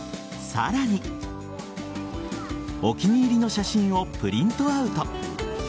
さらにお気に入りの写真をプリントアウト。